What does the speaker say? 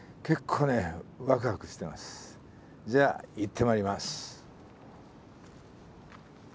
でもねじゃあいってまいります！